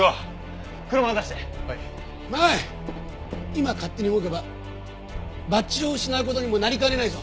今勝手に動けばバッジを失う事にもなりかねないぞ。